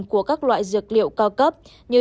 của các loại dược liệu cao cấp như